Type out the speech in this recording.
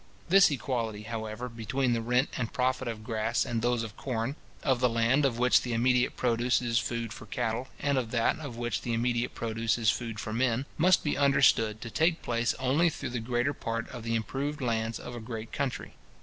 This equality, however, between the rent and profit of grass and those of corn; of the land of which the immediate produce is food for cattle, and of that of which the immediate produce is food for men, must be understood to take place only through the greater part of the improved lands of a great country.